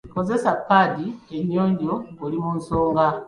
Kozesa paadi ennyonjo ng'oli mi nsonga.